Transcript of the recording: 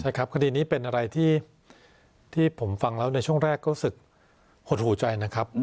ใช่ครับคดีนี้เป็นอะไรที่ผมฟังแล้วในช่วงแรกก็รู้สึกหดหูใจนะครับ